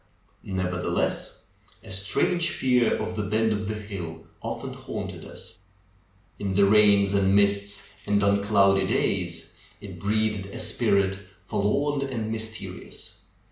Never theless, a strange fear of the bend of the hill often haunted us. In the rains and mists and on cloudy days it breathed a spirit forlorn and mysterious.